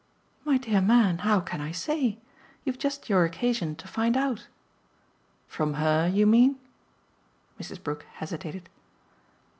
"My dear man, how can I say? You've just your occasion to find out." "From HER, you mean?" Mrs. Brook hesitated.